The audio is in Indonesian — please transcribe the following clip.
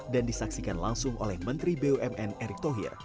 disaksikan langsung oleh menteri bumn erick thohir